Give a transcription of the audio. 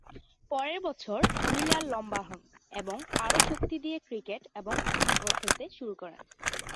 পরের বছর, মিলার লম্বা হন এবং আরও শক্তি দিয়ে ক্রিকেট এবং ফুটবল খেলতে শুরু করে।